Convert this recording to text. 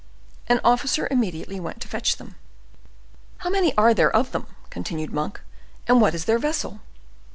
An officer immediately went to fetch them. "How many are there of them?" continued Monk; "and what is their vessel?"